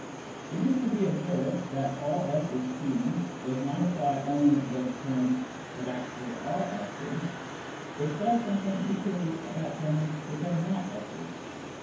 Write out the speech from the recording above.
It is to be observed that " all S is P " does not apply only to those terms that actually are S's ; it says something equally about terms which are not S's.